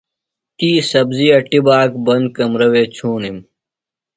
تی سبزیۡ اٹیۡ بہ آک بند کمرہ وے چُھوݨیۡ۔